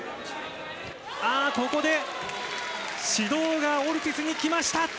あー、ここで、指導がオルティスに来ました。